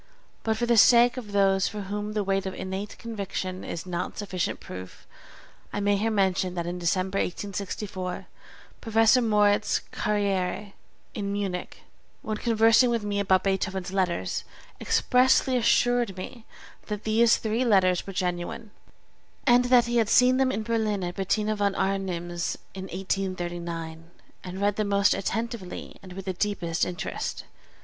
But for the sake of those for whom the weight of innate conviction is not sufficient proof, I may here mention that in December, 1864, Professor Moritz Carrière, in Munich, when conversing with me about Beethoven's Letters, expressly assured me that these three letters were genuine, and that he had seen them in Berlin at Bettina v. Arnim's in 1839, and read them most attentively and with the deepest interest.